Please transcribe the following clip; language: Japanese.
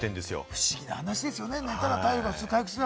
不思議な話ですよね。